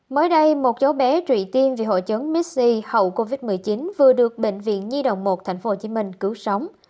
mới đây một cháu bé trụy tiên vì hội chứng mis c hậu covid một mươi chín vừa được bệnh viện nhi đồng một tp hcm cứu sống